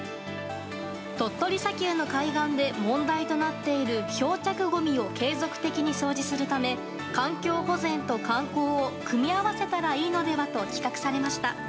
鳥取砂丘の海岸で問題となっている漂着ごみを継続的に掃除するため環境保全と観光を組み合わせたらいいのではと企画されました。